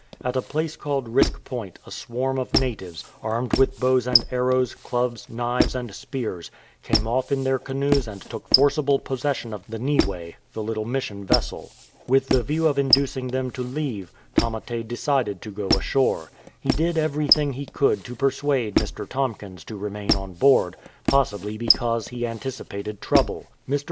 At a place called Risk Point a swarm of natives, armed with bows and arrows, clubs, knives, and spears, came off in their canoes and took forcible possession of the Nitte, the little Mission vessel. With the view of inducing them to leave, Tamate decided to go ashore. He did everything he could to persuade Mr. Tomkins to remain on board, probably because he an ticipated trouble. Mr.